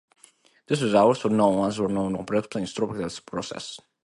This is also known as a non-ergodic stochastic process.